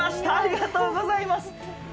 ありがとうございます。